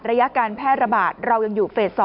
ระยะการแพร่ระบาดเรายังอยู่เฟส๒